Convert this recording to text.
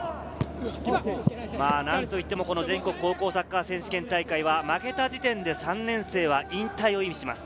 何といっても全国高校サッカー選手権大会は負けた時点で、３年生は引退を意味します。